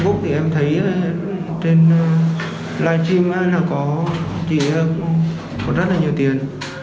có chị em có rất là nhiều tiền